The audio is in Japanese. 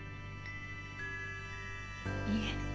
いいえ。